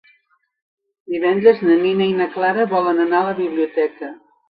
Divendres na Nina i na Clara volen anar a la biblioteca.